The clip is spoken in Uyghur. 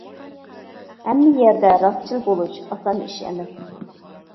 ھەممە يەردە راستچىل بولۇش ئاسان ئىش ئەمەس.